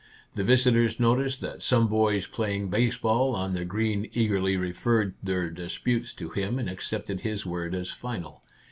The visitors noticed that some boys playing baseball on the green eagerly referred their disputes to him and accepted his word as final.